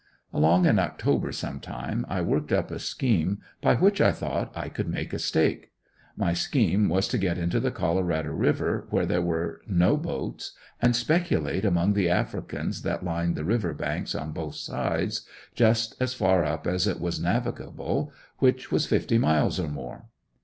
Along in October sometime, I worked up a scheme by which I thought I could make a stake. My scheme was to get into the Colorado river where there were no boats and speculate among the africans that lined the river banks on both sides just as far up as it was navigable, which was fifty miles or more.